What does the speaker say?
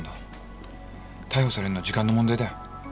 逮捕されるのは時間の問題だよ。